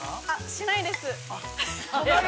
◆しないです。